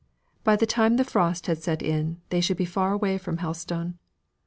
By the time the frost had set in, they should be far away from Helstone.